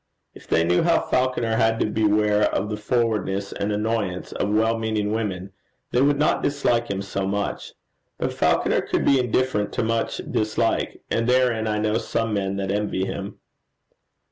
If they knew how Falconer had to beware of the forwardness and annoyance of well meaning women, they would not dislike him so much. But Falconer could be indifferent to much dislike, and therein I know some men that envy him.